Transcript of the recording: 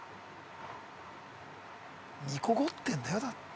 煮こごってんだよだって。